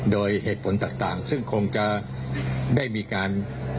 โดยเหตุผลต่างซึ่งคงจะได้มีการ